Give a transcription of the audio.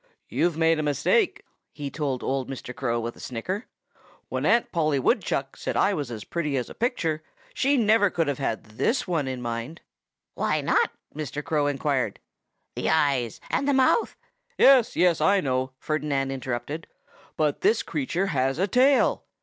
"You've made a mistake," he told old Mr. Crow with a snicker. "When Aunt Polly Woodchuck said I was as pretty as a picture she never could have had this one in mind." "Why not?" Mr. Crow inquired. "The eyes and the mouth " "Yes! Yes I know!" Ferdinand interrupted. "But this creature has a tail!